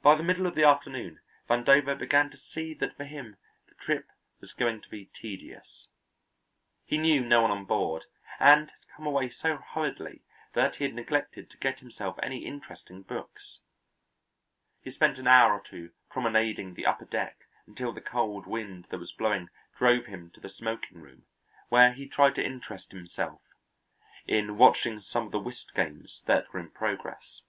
By the middle of the afternoon, Vandover began to see that for him the trip was going to be tedious. He knew no one on board and had come away so hurriedly that he had neglected to get himself any interesting books. He spent an hour or two promenading the upper deck until the cold wind that was blowing drove him to the smoking room, where he tried to interest himself in watching some of the whist games that were in progress.